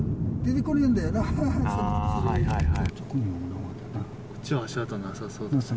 こっちは足跡なさそうですね。